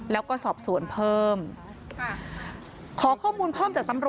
และก็สอบสวนเพิ่ม